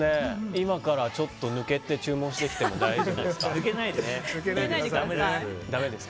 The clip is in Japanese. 今から抜けてちょっと注文してきても大丈夫ですか。